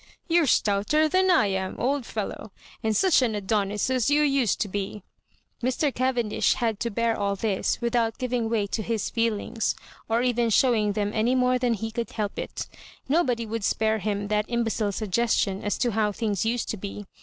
"You're stouter than I am, old fellow ; and such an Adonis as you used to be I" Mr. Cavendish had to bear all this without giv ing way to his feelings, or even showing them any more than he could help it. Nobody would spare him that imbecile suggestion as to how things used to be.